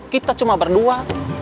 kita cuma berdua